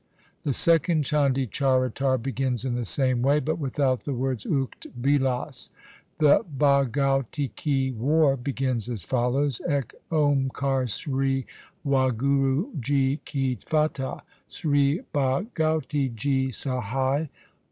The second Chandi Charitar begins in the same way but without the words ukt bilas. The Bhagauti ki War begins as follows : Ek oamkar Sri Wahguru ji ki fatah ! Sri Bhagauti ji sahai